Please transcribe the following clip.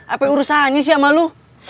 apa urusannya sih sama lu